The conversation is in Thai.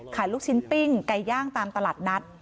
ลูกชิ้นปิ้งไก่ย่างตามตลาดนัด